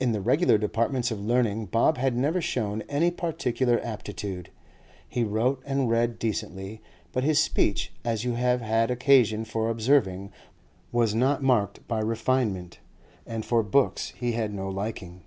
In the regular departments of learning Bob had never shown any particular aptitude; he wrote and read decently, but his speech, as you have had occasion for observing, was not marked by refinement, and for books he had no liking.